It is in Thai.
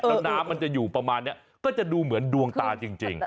แล้วน้ำมันจะอยู่ประมาณนี้ก็จะดูเหมือนดวงตาจริง